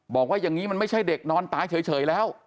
บอกว่าอย่างนี้มันไม่ใช่เด็กนอนตายเฉยแล้ว